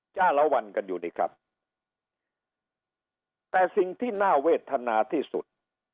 จ้าละวันกันอยู่นี่ครับแต่สิ่งที่น่าเวทนาที่สุด